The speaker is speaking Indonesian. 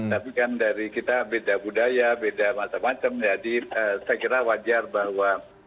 tapi kan dari kita beda budaya beda macam macam jadi saya kira wajar bahwa